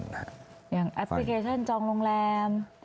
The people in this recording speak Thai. แอปพลิเคชันจองโรงแรม